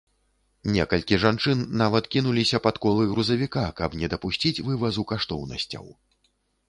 Некалькі жанчын нават кінуліся пад колы грузавіка, каб не дапусціць вывазу каштоўнасцяў.